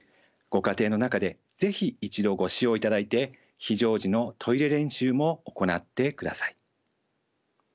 ご家庭の中で是非一度ご使用いただいて非常時のトイレ練習も行ってください。